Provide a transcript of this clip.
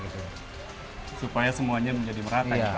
supaya semuanya menjadi merata ya pak